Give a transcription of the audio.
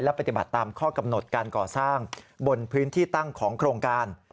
ปฏิบัติตามข้อกำหนดการก่อสร้างบนพื้นที่ตั้งของโครงการ